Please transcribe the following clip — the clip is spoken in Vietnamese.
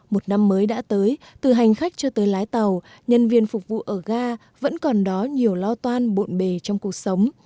một năm mới đã tới từ hành khách cho tới lái tàu nhân viên phục vụ ở ga vẫn còn đó nhiều lo toan bộn bề trong cuộc sống